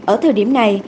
ở thời điểm này